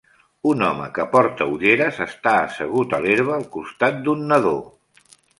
Un home que porta ulleres està assegut a l'herba al costat d'un nadó.